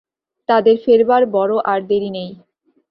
তাদের ফেরবার বড়ো আর দেরি নেই।